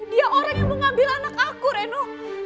dia orang yang mau ngambil anak aku reno